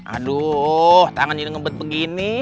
aduh tangan jadi ngebet begini